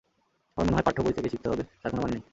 আমার মনে হয়, পাঠ্যবই থেকেই শিখতে হবে তার কোনো মানে নেই।